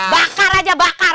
bakar aja bakar